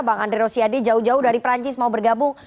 bang andre rosiade jauh jauh dari perancis mau bergabung